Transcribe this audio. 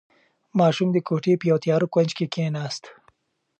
ماشوم د کوټې په یوه تیاره کونج کې کېناست.